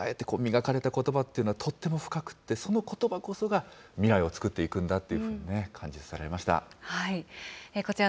そして考えて磨かれたことばっていうのは、とっても深くて、そのことばこそが、未来を作っていくんだと感じました。